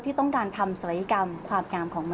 พี่ทำแล้วจะอยู่ได้นานขนาดไหนนะครับ